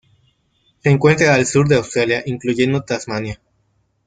Se encuentra al sur de Australia, incluyendo Tasmania.